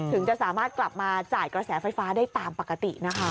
ถึงจะสามารถกลับมาจ่ายกระแสไฟฟ้าได้ตามปกตินะคะ